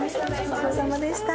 ごちそうさまでした。